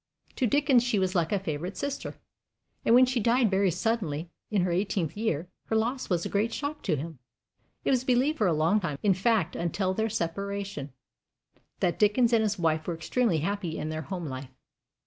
To Dickens she was like a favorite sister, and when she died very suddenly, in her eighteenth year, her loss was a great shock to him. It was believed for a long time in fact, until their separation that Dickens and his wife were extremely happy in their home life.